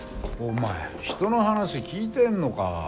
お前人の話聞いてんのか？